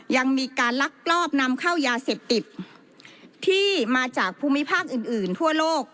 ยังมีการลักลอบนำเข้ายาเสพติดที่มาจากภูมิภาคอื่นอื่นทั่วโลก